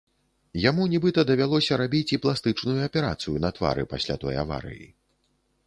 Яму нібыта давялося рабіць і пластычную аперацыю на твары пасля той аварыі.